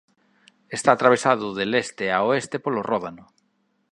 Está atravesado de leste a oeste polo Ródano.